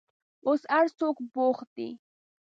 اوس هر څوک بوخت دي.